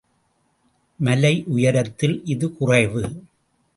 மலை உயரத்தில் இது குறைவு.